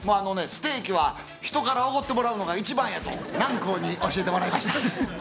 ステーキは人からおごってもらうのが一番やと南光に教えてもらいました。